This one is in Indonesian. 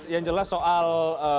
yang jelas soal